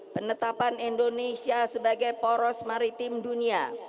penetapan indonesia sebagai poros maritim dunia